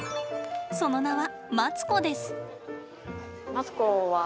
その名はマツコです。